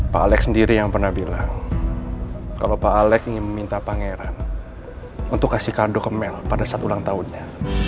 pak alex sendiri yang pernah bilang kalau pak alex ingin meminta pangeran untuk kasih kardu ke mel pada saat ulang tahunnya